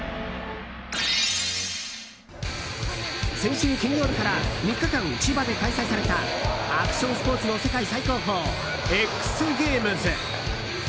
先週金曜日から３日間、千葉で開催されたアクションスポーツの世界最高峰ＸＧＡＭＥＳ。